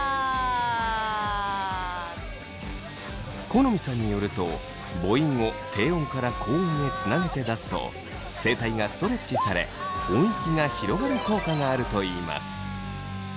許斐さんによると母音を低音から高音へつなげて出すと声帯がストレッチされ音域が広がる効果があるといいます。